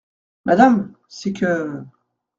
Madame, c’est que…